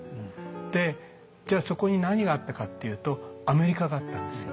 でじゃあそこに何があったかっていうとアメリカがあったんですよ。